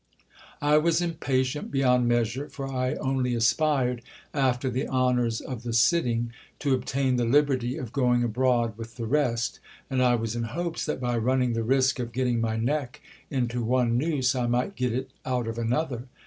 I was impatient beyond measure ; for I only aspired after the honours of the sitting, to obtain the liberty of going abroad with the rest ; and I was in hopes that by running the risk of getting my neck into one noose I njight get it out of another.